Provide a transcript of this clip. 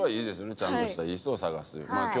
ちゃんとしたいい人を探すという。